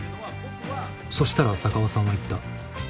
そしたら浅川さんは言った。